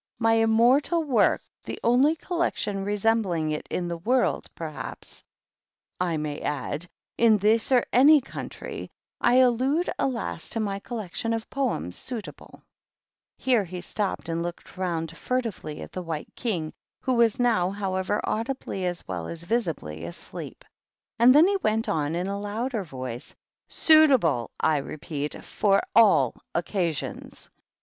My immortal Work, the only Collecti resembling it in the world, perhaps, I may a] THE GREAT OCCASION. 259 add, in this or any country, — I allude, alas, to my * Collection of Poems Suitable '" Here he stopped, and looked round furtively at the White King, who was now, however, audibly as well as visibly asleep, and then he went on in a louder voice, — "Suitable, I repeat, for all Occasions.